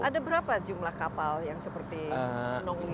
ada berapa jumlah kapal yang seperti non lila ini